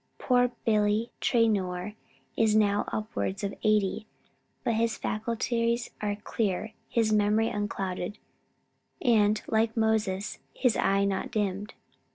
Poor Billy Traynor is now upwards of eighty; but his faculties are clear, his memory unclouded, and, like Moses, his eye not dimmed.